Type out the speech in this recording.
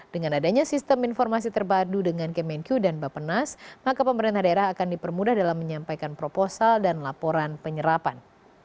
dengan adanya sistem informasi terpadu dengan kemenq dan bapenas maka pemerintah daerah akan dipermudah dalam menyampaikan proposal dan laporan penyerapan